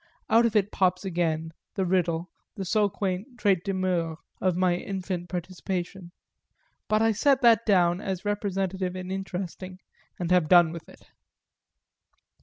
Out of it peeps again the riddle, the so quaint trait de moeurs, of my infant participation. But I set that down as representative and interesting, and have done with it.